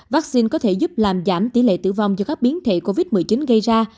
vaccine có thể giúp làm giảm tỷ lệ tử vong do các biến thể covid một mươi chín gây ra